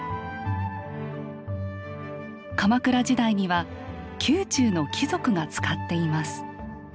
鎌倉時代には宮中の貴族が使っています。